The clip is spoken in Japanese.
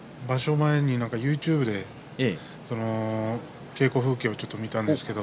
前ＹｏｕＴｕｂｅで稽古風景をちょっと見たんですけど。